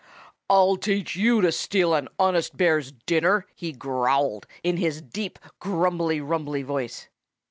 "I'll teach you to steal an honest Bear's dinner!" he growled in his deep grumbly, rumbly voice.